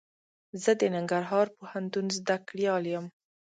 زه د ننګرهار پوهنتون زده کړيال يم.